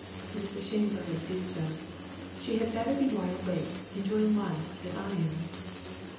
It is a shame for her to do so. She had better be wide awake, enjoying life, as I am."